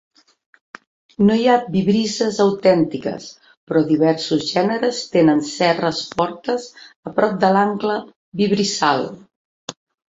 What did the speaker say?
No hi ha vibrisses autèntiques, però diversos gèneres tenen cerres fortes a prop de l"angle vibrissal.